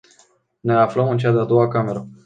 Ne aflăm în cea de-a doua cameră.